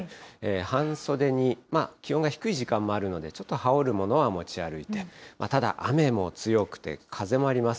半袖に、気温が低い時間もあるので、ちょっと羽織るものは持ち歩いて、ただ、雨も強くて風もあります。